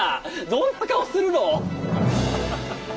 どんな顔するろう。